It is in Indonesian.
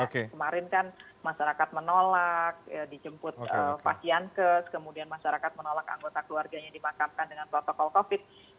kemarin kan masyarakat menolak dijemput pasienkes kemudian masyarakat menolak anggota keluarganya dimakamkan dengan protokol covid